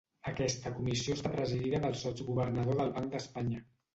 Aquesta comissió està presidida pel sotsgovernador del Banc d'Espanya.